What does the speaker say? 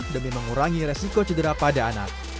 demi mengurangi resiko cedera pada anak